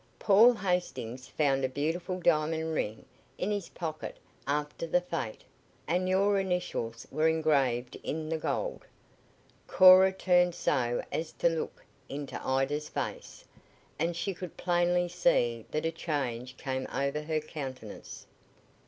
Paul Hastings found a beautiful diamond ring in his pocket after the fete, and your initials were engraved in the gold." Cora turned so as to look into Ida's face, and she could plainly see that a change came over her countenance.